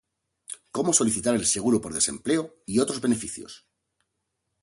Cómo solicitar el seguro por desempleo y otros beneficios